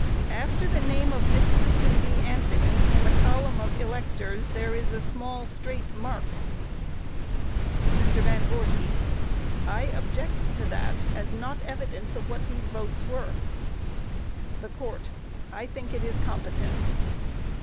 After the name of Miss Susan B. Anthony in the column of electors there is a small, straight mark. MR. VAN VOORHIS: I object to that, as not evidence of what these votes were. THE COURT: I think it is competent.